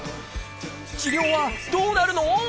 治療はどうなるの？